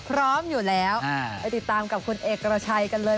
พร้อมอยู่แล้วไปติดตามกับคุณเอกกระชัยกันเลย